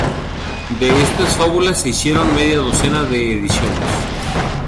De estas fábulas se hicieron media docena de ediciones.